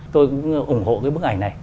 tôi cũng ủng hộ cái bức ảnh này